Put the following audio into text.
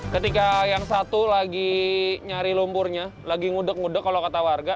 ketika yang satu lagi nyari lumpurnya lagi ngudek ngude kalau kata warga